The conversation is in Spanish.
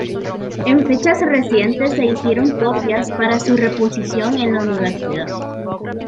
En fechas recientes se hicieron copias para su reposición en la Universidad.